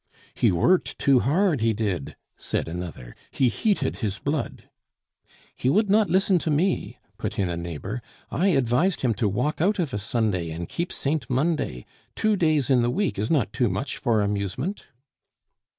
"He worked too hard, he did," said another; "he heated his blood." "He would not listen to me," put in a neighbor; "I advised him to walk out of a Sunday and keep Saint Monday; two days in the week is not too much for amusement."